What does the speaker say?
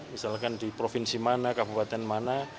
misalkan di provinsi mana kabupaten mana